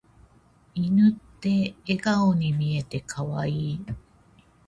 犬って笑顔に見えて可愛い。